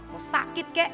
mau sakit kek